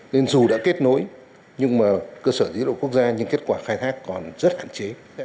nên dù đã kết nối nhưng mà cơ sở dữ liệu quốc gia nhưng kết quả khai thác còn rất hạn chế